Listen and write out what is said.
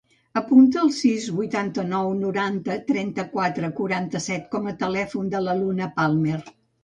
Apunta el sis, vuitanta-nou, noranta, trenta-quatre, quaranta-set com a telèfon de la Luna Palmer.